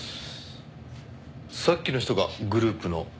さっきの人がグループのボス？